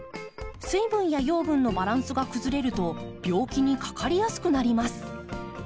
水分や養分のバランスが崩れると病気にかかりやすくなります。